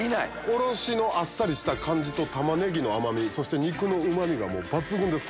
おろしのあっさりした感じタマネギの甘みそして肉のうまみが抜群です。